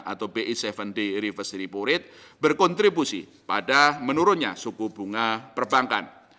atau bi tujuh d reverse repo rate berkontribusi pada menurunnya suku bunga perbankan